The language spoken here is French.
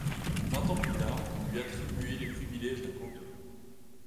Vingt ans plus tard, on lui attribuait les privilèges d'un canton.